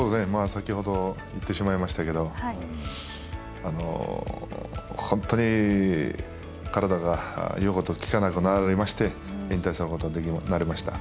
先ほど言ってしまいましたけど本当に、体が言うことをきかなくなりまして引退することになりました。